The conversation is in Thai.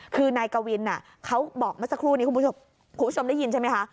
คือนายกวินเขาบอกเมื่อสักครู่นี้คุณผู้ชมได้ยินใช่ไหมคะ